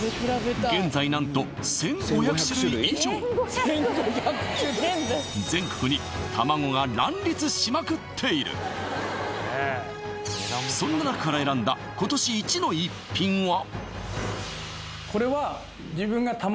現在何と１５００種類以上全国に卵が卵立しまくっているそんな中から選んだ今年イチの逸品は？